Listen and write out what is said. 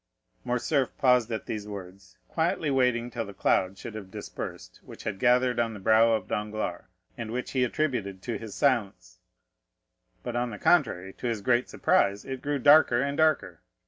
Morcerf paused at these words, quietly waiting till the cloud should have dispersed which had gathered on the brow of Danglars, and which he attributed to his silence; but, on the contrary, to his great surprise, it grew darker and darker.